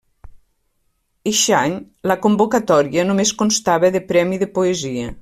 Eixe any la convocatòria només constava de premi de Poesia.